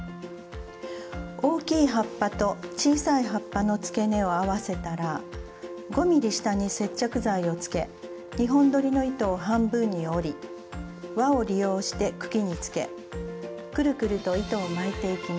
大きい葉っぱと小さい葉っぱのつけ根を合わせたら５ｍｍ下に接着剤をつけ２本どりの糸を半分に折り輪を利用して茎につけくるくると糸を巻いていきます。